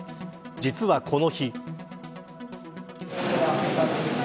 実は、この日。